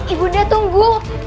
ibu bunda tunggu